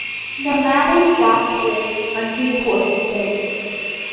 The marriage lasted until Cole's death.